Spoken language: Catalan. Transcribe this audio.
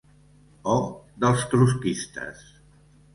O dels trotskistes